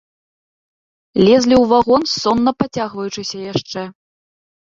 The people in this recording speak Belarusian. Лезлі ў вагон, сонна пацягваючыся яшчэ.